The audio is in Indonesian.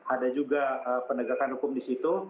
ada juga penegakan hukum di situ